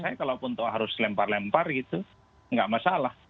saya kalau harus lempar lempar gitu nggak masalah